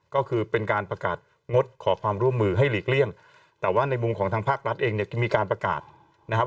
ก็คือเป็นการประกาศงดขอความร่วมมือให้หลีกเลี่ยงแต่ว่าในมุมของทางภาครัฐเองเนี่ยมีการประกาศนะครับ